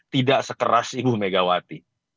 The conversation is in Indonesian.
tidak sekeras ibu megawati